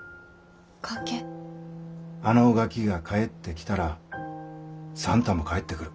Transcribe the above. あのガキが帰ってきたら算太も帰ってくる。